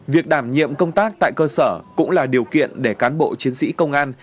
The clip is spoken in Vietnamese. việc đảm nhiệm công tác tại cơ sở cũng là điều kiện để cán bộ chiến sĩ công an